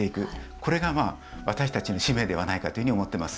これが私たちの使命ではないかと思っています。